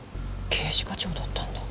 刑事課長だったんだ。